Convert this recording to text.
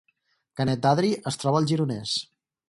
Canet d’Adri es troba al Gironès